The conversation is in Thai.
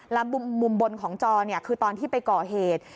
แล้วมุมบนของจอคือตอนที่ไปก่อเหตุ